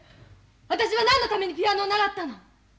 私は何のためにピアノを習ったの！？